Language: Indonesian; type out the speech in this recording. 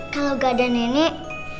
kalau gak ada nenek